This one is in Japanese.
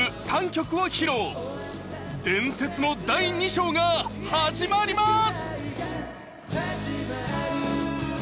３曲を披露伝説の第二章が始まります！